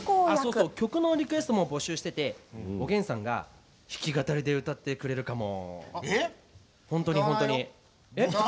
あ、そうそう曲のリクエストも募集してておげんさんが弾き語りで歌ってくれるかも。